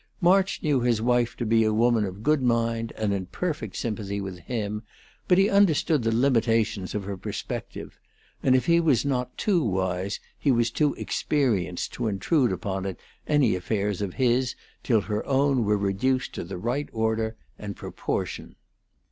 March knew his wife to be a woman of good mind and in perfect sympathy with him, but he understood the limitations of her perspective; and if he was not too wise, he was too experienced to intrude upon it any affairs of his till her own were reduced to the right order and proportion.